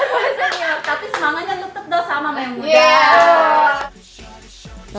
boleh senior tapi semangatnya tetep sama yang muda